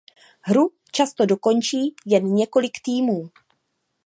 Hru často dokončí jen několik týmů.